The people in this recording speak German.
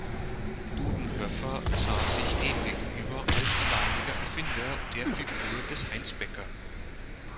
Dudenhöffer sah sich demgegenüber als alleiniger Erfinder der Figur des Heinz Becker.